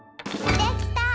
できた！